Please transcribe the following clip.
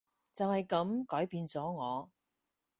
就係噉改變咗我